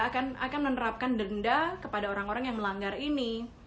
akan menerapkan denda kepada orang orang yang melanggar ini